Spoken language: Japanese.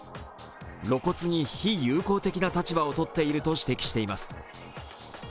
露骨に非友好的な立場をとっていると指摘しています。